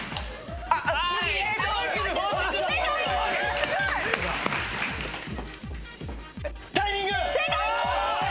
・すごい！『タイミング』！